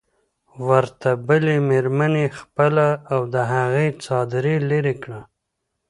ورته بلې مېرمنې خپله او د هغې څادري لرې کړه.